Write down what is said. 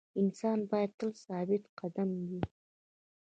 انسان باید تل ثابت قدمه وي.